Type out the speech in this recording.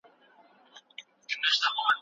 د څېړني لارې لټول د هوښیارۍ نښه ده.